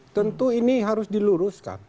tentu ini harus diluruskan